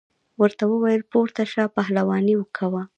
ورته وویل پورته شه پهلواني کوه.